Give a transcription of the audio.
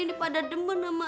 ini pada demen sama ella